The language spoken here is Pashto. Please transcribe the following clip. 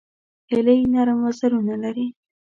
هیلۍ نرم وزرونه لري